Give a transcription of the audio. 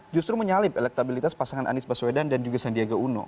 justru menyalip elektabilitas pasangan anies baswedan dan juga sandiaga uno